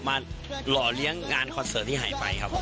หล่อเลี้ยงงานคอนเสิร์ตที่หายไปครับ